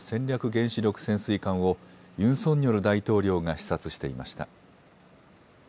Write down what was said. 原子力潜水艦をユン・ソンニョル大統領が視察していました。